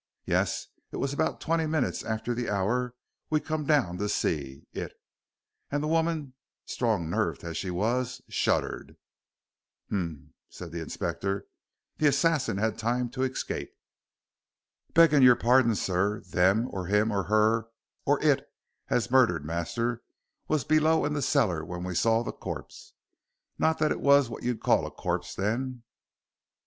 Yes it was about twenty minutes after the hour we come down to see It," and the woman, strong nerved as she was, shuddered. "Humph," said the Inspector, "the assassin had time to escape." "Begging your pardon, sir, them, or him, or her, or it as murdered master was below in the cellar when we saw the corp not that it was what you'd call a corp then."